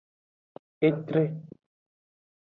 Etre.